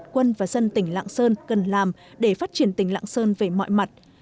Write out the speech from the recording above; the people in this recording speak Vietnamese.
quân và dân tỉnh lạng sơn cần làm để phát triển tỉnh lạng sơn về mọi mặt